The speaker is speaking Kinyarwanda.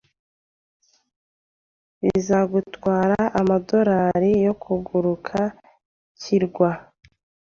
Bizagutwara amadorari yo kuguruka kirwa.